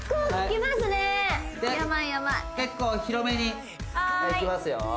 手結構広めにはいいきますよ